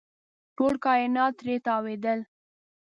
ټول کاینات ترې تاوېدل.